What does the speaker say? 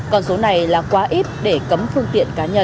còn số này là quá ít để cấm phương tiện cá nhân